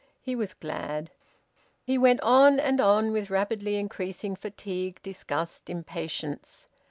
He was glad. He went on and on, with rapidly increasing fatigue, disgust, impatience.